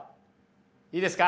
いいですか？